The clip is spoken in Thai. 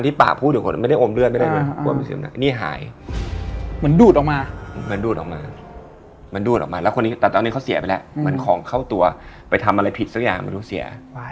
ตอนไหนควรหยุดหรืออะไรมันเกินไป